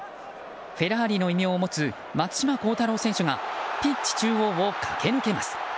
フェラーリの異名を持つ松島幸太朗選手がピッチ中央を駆け抜けます。